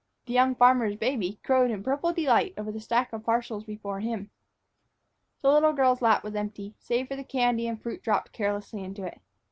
The young farmer's baby crowed in purple delight over the stack of parcels before him. The little girl's lap was empty, save for the candy and fruit dropped carelessly into it.